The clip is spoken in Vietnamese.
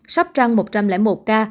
sóc trăng một trăm linh một ca